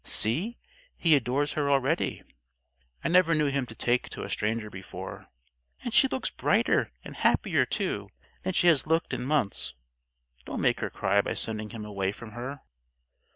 See, he adores her already. I never knew him to take to a stranger before. And she looks brighter and happier, too, than she has looked in months. Don't make her cry by sending him away from her."